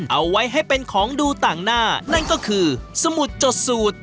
เอาไว้ให้เป็นของดูต่างหน้านั่นก็คือสมุดจดสูตร